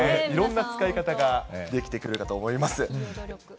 いろんな使い方ができてくるかと思います。